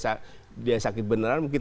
yang membuat dia sakit beneran mungkin